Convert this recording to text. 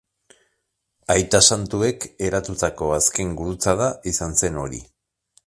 Aita Santuek eratutako azken gurutzada izan zen hori.